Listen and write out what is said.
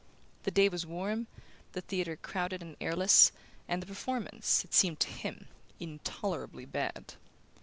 The day was warm, the theatre crowded and airless, and the performance, it seemed to him, intolerably bad.